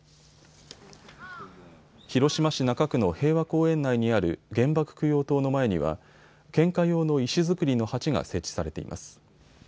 広島市中区の平和公園内にある原爆供養塔の前には献花用の石づくりの鉢が設置されています。